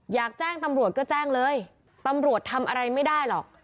อยากแจ้งตำรวจก็แจ้งเลยตำรวจทำอะไรไม่ได้หรอก